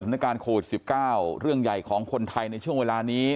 สถานการณ์โควิด๑๙เรื่องใหญ่ของคนไทยในช่วงเวลานี้